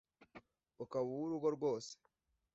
ukaba uwu rugo rwose